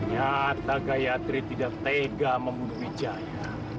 ternyata gaya trik tidak tega membunuh ngujaya